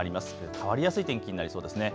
変わりやすい天気になりそうです。